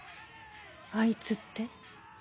あいつって？